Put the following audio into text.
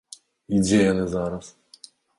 І дзе яны зараз?